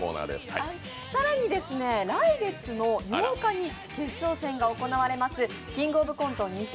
更に、来月の８日に決勝戦が行われます「キングオブコント２０２２」